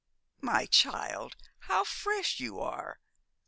'My child how fresh you are!